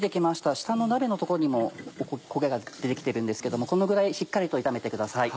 下の鍋の所にも焦げが出て来てるんですけどもこのぐらいしっかりと炒めてください。